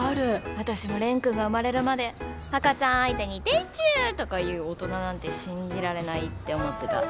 私も蓮くんが生まれるまで赤ちゃん相手に「でちゅ」とか言う大人なんて信じられないって思ってた。